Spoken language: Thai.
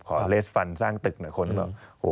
ขอเลสฟันสร้างตึกนะครับ